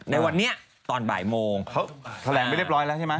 ในวันนี้ตอนบ่ายโมงเขาแถลงไปเรียบร้อยแล้วใช่ไหม